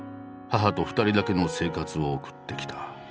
母と２人だけの生活を送ってきた。